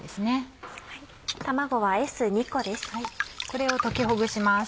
これを溶きほぐします。